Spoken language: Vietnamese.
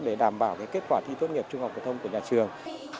để đảm bảo kết quả thi tốt nghiệp trung học phổ thông của nhà trường